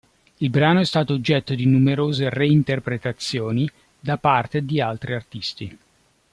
Il brano è stato oggetto di numerose reinterpretazioni da parte di altri artisti.